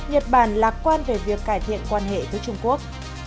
nhật bản lạc quan về việc cải thiện quan hệ với trung quốc